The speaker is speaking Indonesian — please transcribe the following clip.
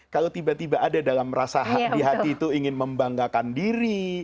kalau tiba tiba ada dalam rasa di hati itu ingin membanggakan diri